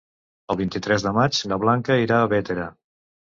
El vint-i-tres de maig na Blanca irà a Bétera.